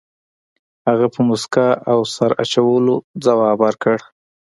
هغه په موسکا او سر اچولو ځواب ورکړ.